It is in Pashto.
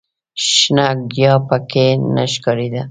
شنه ګیاه په کې نه ښکارېده.